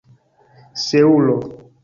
seulo